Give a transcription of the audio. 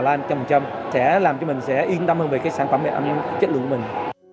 sẽ làm cho mình yên tâm hơn về sản phẩm chất lượng của mình